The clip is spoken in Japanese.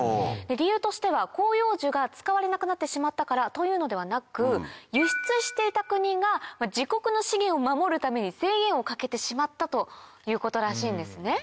理由としては広葉樹が使われなくなってしまったからというのではなく輸出していた国が自国の資源を守るために制限をかけてしまったということらしいんですね。